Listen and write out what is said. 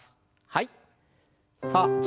はい。